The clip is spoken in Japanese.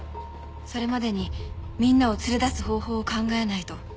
それまでにみんなを連れ出す方法を考えないと。